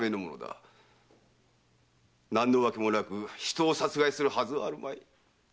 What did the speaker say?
何の訳もなく人を殺害するはずはあるまい。